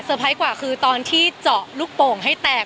ไพรส์กว่าคือตอนที่เจาะลูกโป่งให้แตก